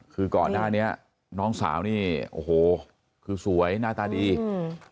คือก่อนหน้านี้น้องสาวนี่โอ้โหคือสวยหน้าตาดีอืม